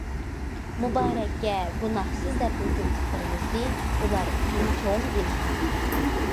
مۇبارەككە گۇناھسىز دەپ ھۆكۈم چىقىرىلىشى ئۇلار ئۈچۈن چوڭ ئىلھام.